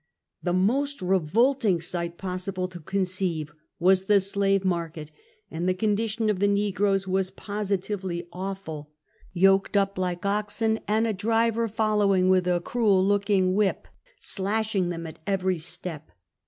The most revolting sight possible to con ceive was the slave market, and the condi tion of the negroes was positively awful, SKETCHES OF TRAVEL yoked up like oxen, and a driver following with a cruel looking whip, slashing them at every step.